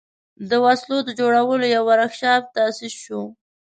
د وسلو د جوړولو یو ورکشاپ تأسیس شو.